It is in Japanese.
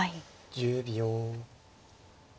１０秒。